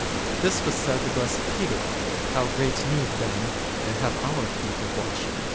This was said to blessed Peter, how great need then have our feet of washing